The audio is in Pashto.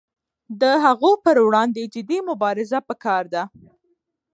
د هغو پر وړاندې جدي مبارزه پکار ده.